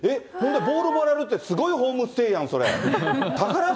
ボールもらえるってすごいホームステイやん、それ。